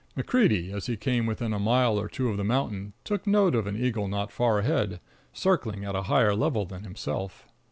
MacCreedy, as he came within a mile or two of the mountain, took note of an eagle not far ahead, circling at a higher level than himself.